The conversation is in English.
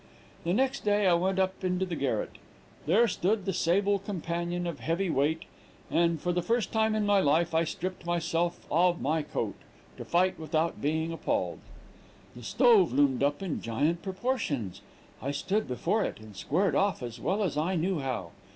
"The next day I went up into the garret. There stood the sable champion of heavy weight, and, for the first time in my life, I stripped myself of my coat, to fight without being appalled. The stove loomed up in giant proportions; I stood before it, and squared off as well as I knew how.